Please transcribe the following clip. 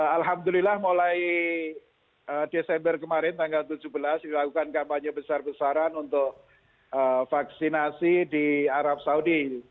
alhamdulillah mulai desember kemarin tanggal tujuh belas dilakukan kampanye besar besaran untuk vaksinasi di arab saudi